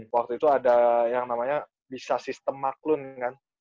waktu itu ada yang namanya bisa sistem maklun kan